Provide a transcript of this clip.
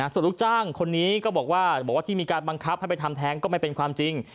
ส่วนลูกจ้างคนนี้ก็บอกว่าที่มีการบังคับให้ไปทำแท้งก็ไม่เป็นความจริง